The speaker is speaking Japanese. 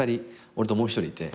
俺ともう一人いて。